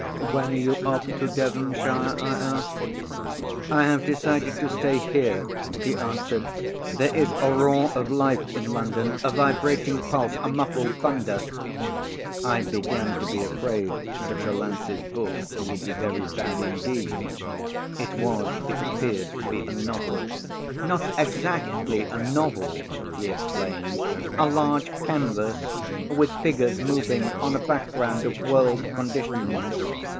"When are you off to Devonshire?" I asked. "I have decided to stay here," he answered, "there is a roar of life in London, a vibrating pulse, a muffled thunder." I began to be afraid that Delancey's book would be very bad indeed. It was, it appeared, to be a novel. "Not exactly a novel," he explained, "a large canvas with figures moving on a back ground of world conditions."